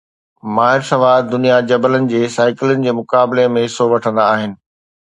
ماهر سوار دنيا جبلن جي سائيڪلن جي مقابلن ۾ حصو وٺندا آهن